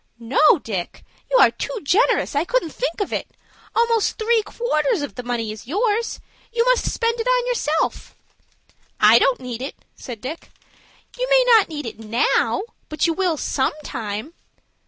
"No, Dick, you are too generous. I couldn't think of it. Almost three quarters of the money is yours. You must spend it on yourself." "I don't need it," said Dick. "You may not need it now, but you will some time."